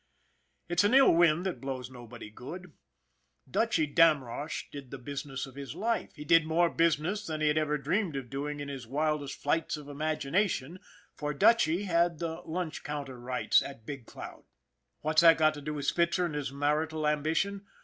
It's an ill wind that blows nobody good. Dutchy Damrosch did the business of his life he did more business than he had ever dreamed of doing in his wildest flights of imagination, for Dutchy had the lunch counter rights at Big Cloud. What's that got to do with Spitzer and his marital ambition